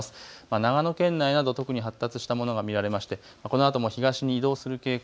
長野県内など特に発達したものが見られまして、このあとも東に移動する傾向。